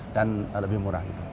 dan lebih murah